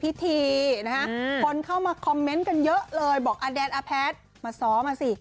พี่เทียคนเข้ามาคอมเมนต์กันเยอะเลยบอกพี่แดนพี่แพทย์มาซ้อมมาสิ